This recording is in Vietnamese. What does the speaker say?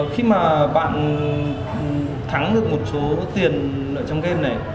khi mà bạn thắng được một số tiền ở trong game này